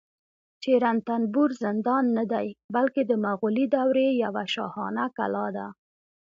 چې رنتنبور زندان نه دی، بلکې د مغولي دورې یوه شاهانه کلا ده